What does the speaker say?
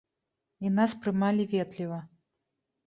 І нас прымалі ветліва.